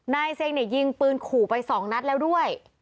นายเซงเนี่ยยิงปืนขูไป๒นัดแล้วด้วย